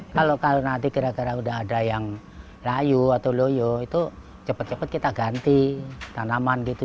kalau nanti kira kira udah ada yang rayu atau loyo itu cepat cepat kita ganti tanaman gitu